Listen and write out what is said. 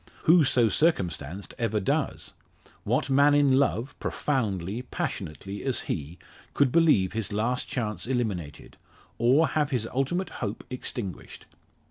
Who so circumstanced ever does? What man in love, profoundly, passionately as he, could believe his last chance eliminated; or have his ultimate hope extinguished?